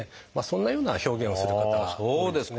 そんなような表現をする方が多いです。